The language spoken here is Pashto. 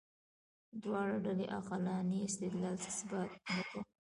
دواړه ډلې عقلاني استدلال اثبات نه کوي.